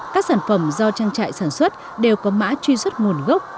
các sản phẩm do trang trại sản xuất đều có mã truy xuất nguồn gốc